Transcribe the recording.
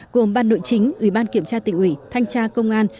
gồm ban nội chính ủy ban kiểm tra tỉnh ủy thanh tra công an